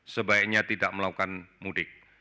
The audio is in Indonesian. sebaiknya tidak melakukan mudik